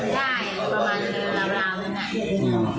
ได้ประมาณหลาวหนึ่งน่ะ